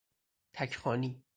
تک خوانی